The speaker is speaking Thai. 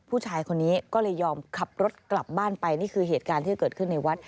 ผู้ชายคนนี้ก็เลยยอมขับรถกลับบ้านไปนี่คือเหตุการณ์ที่เกิดขึ้นในวัด